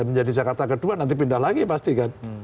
menjadi jakarta kedua nanti pindah lagi pasti kan